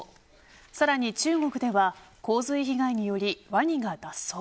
さらに中国では洪水被害によりワニが脱走。